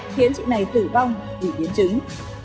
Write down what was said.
khiến chị này tử vong vì biến chứng